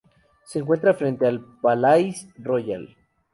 Se encuentra frente al "Palais Royal".